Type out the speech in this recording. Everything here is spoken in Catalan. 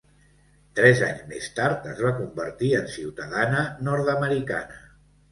Tres anys més tard es va convertir en ciutadana nord-americana.